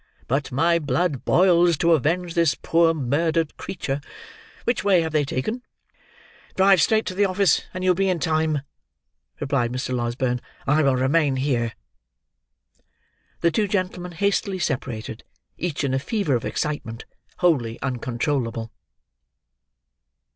But my blood boils to avenge this poor murdered creature. Which way have they taken?" "Drive straight to the office and you will be in time," replied Mr. Losberne. "I will remain here." The two gentlemen hastily separated; each in a fever of excitement wholly uncontrollable.